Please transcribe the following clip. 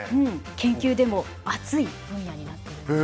研究でも熱い分野になってるんです。